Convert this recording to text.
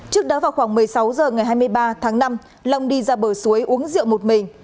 trước đó vào khoảng một mươi sáu h ngày hai mươi ba tháng năm long đi ra bờ suối uống rượu một mình